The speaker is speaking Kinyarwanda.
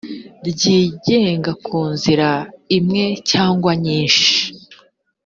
ryigenga ku nzira imwe cyangwa nyinshi